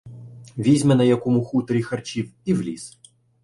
Візьме на якому хуторі харчів і — в ліс.